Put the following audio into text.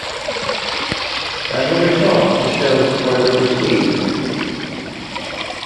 As a result, the show was poorly received.